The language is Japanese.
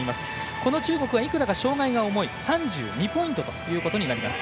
この中国はいくらか障がいが重い３２ポイントということになります。